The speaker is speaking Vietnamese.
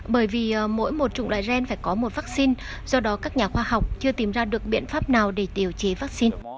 bởi vì mỗi một chủng loại gen phải có một vaccine do đó các nhà khoa học chưa tìm ra được biện pháp nào để điều chế vaccine